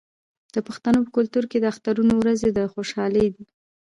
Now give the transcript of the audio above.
د پښتنو په کلتور کې د اخترونو ورځې د خوشحالۍ دي.